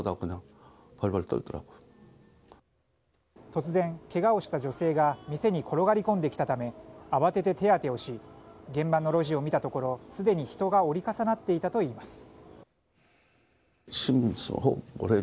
突然、けがをした女性が店に転がり込んできたため慌てて手当てをし現場の路地を見たところすでに人が折り重なっていたといいます。